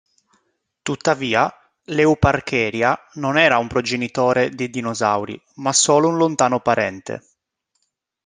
Tuttavia, l"'Euparkeria" non era un progenitore dei dinosauri, ma solo un lontano parente.